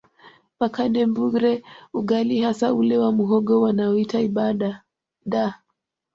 Makande Mbure ugali hasa ule wa muhogo wanauita ibadaa